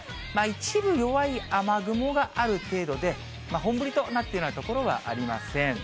一部弱い雨雲がある程度で、本降りとなっている所はありません。